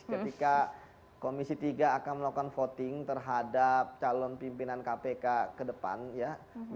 ketika komisi tiga akan melakukan voting terhadap calon pimpinan kpk ke depan ya